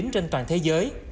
trên toàn thế giới